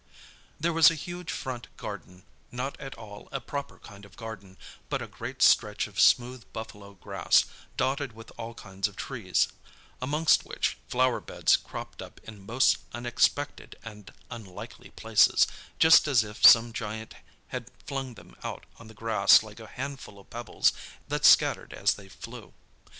There was a huge front garden, not at all a proper kind of garden, but a great stretch of smooth buffalo grass, dotted with all kinds of trees, amongst which flower beds cropped up in most unexpected and unlikely places, just as if some giant had flung them out on the grass like a handful of pebbles that scattered as they flew.